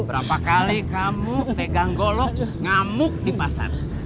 berapa kali kamu pegang golok ngamuk di pasar